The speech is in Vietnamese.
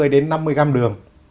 bốn mươi đến năm mươi gram đường